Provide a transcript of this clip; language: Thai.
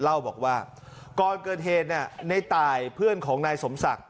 เล่าบอกว่าก่อนเกิดเหตุในตายเพื่อนของนายสมศักดิ